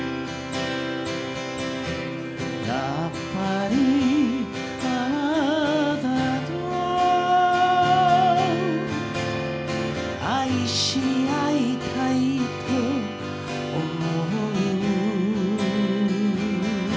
「やっぱりあなたと愛し合いたいと思う」